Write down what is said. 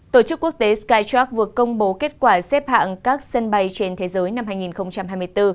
tổ chức quốc tế skytrack vừa công bố kết quả xếp hạng các sân bay trên thế giới năm hai nghìn hai mươi bốn